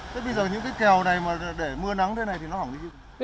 thế bây giờ những cái kèo này mà để mưa nắng thế này thì nó hỏng đi